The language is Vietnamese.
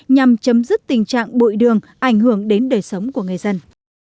nhằm chấm dứt tình trạng bụi đường ảnh hưởng đến đời sống của người dân